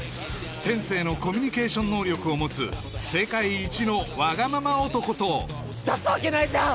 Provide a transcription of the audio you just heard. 天性のコミュニケーション能力を持つ世界一のワガママ男と出すわけないじゃん！